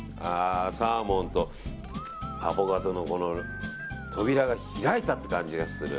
サーモンとアボカドの扉が開いたって感じがする。